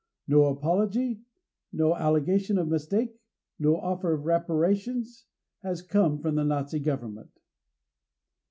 No apology, no allegation of mistake, no offer of reparations has come from the Nazi government.